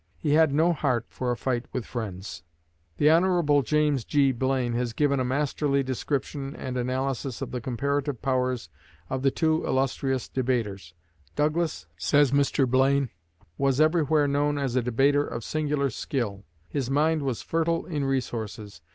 He had no heart for a fight with friends." The Hon. James G. Blaine has given a masterly description and analysis of the comparative powers of the two illustrious debaters. Douglas, says Mr. Blaine, "was everywhere known as a debater of singular skill. His mind was fertile in resources.